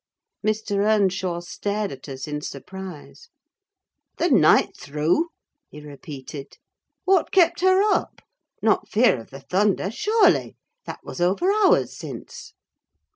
Mr. Earnshaw stared at us in surprise. "The night through," he repeated. "What kept her up? not fear of the thunder, surely? That was over hours since."